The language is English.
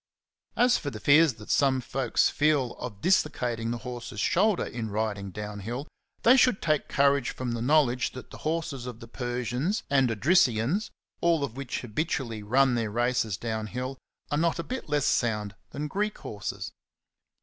As for the fears that some folks feel of dislocating the horse's shoulders in riding down hill, they should take courage from the knowledge that the horses of the Persians and Odrysians/s all of whom habitually run their races down hill, are not a bit less sound than Greek horses.